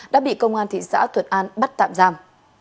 đã bị công an thị xã thuận an bắt tạm giam